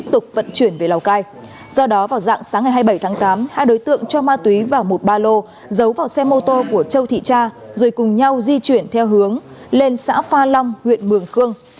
tp nha trang đang triển theo hướng lên xã pha long huyện mường khương